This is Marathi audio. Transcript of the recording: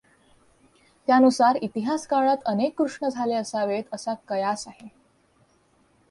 त्यानुसार इतिहास काळात अनेक कृष्ण झाले असावेत असा कयास आहे.